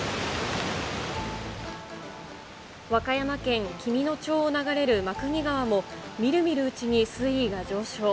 和歌山県紀美野町を流れる真国川も、みるみるうちに水位が上昇。